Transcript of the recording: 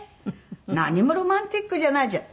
何もロマンチックじゃないじゃん。